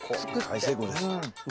大成功です。